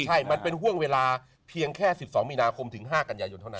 ใช่มันเป็นห่วงเวลาเพียงแค่๑๒มีนาคมถึง๕กันยายนเท่านั้น